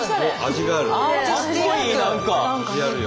味あるよ。